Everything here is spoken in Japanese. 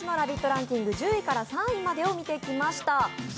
ランキング１０位から３位までを見てきました。